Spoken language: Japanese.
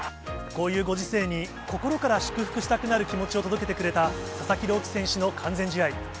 こういうご時世に、心から祝福したくなる気持ちを届けてくれた佐々木朗希投手の完全試合。